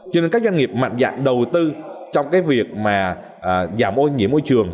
cho nên các doanh nghiệp mạnh dạng đầu tư trong cái việc mà giảm ô nhiễm môi trường